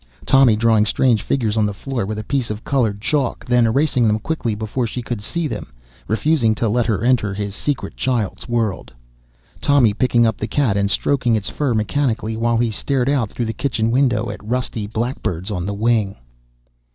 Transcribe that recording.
Tommy drawing strange figures on the floor with a piece of colored chalk, then erasing them quickly before she could see them, refusing to let her enter his secret child's world. Tommy picking up the cat and stroking its fur mechanically, while he stared out through the kitchen window at rusty blackbirds on the wing